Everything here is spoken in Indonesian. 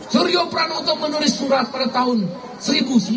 suryo pranoto menulis surat pada tahun seribu sembilan ratus sembilan puluh